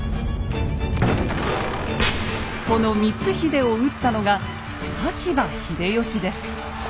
この光秀を討ったのが羽柴秀吉です。